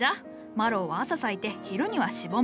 マロウは朝咲いて昼にはしぼむ。